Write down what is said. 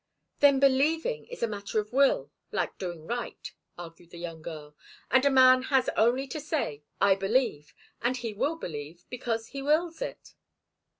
"Then believing is a matter of will, like doing right," argued the young girl. "And a man has only to say, 'I believe,' and he will believe, because he wills it."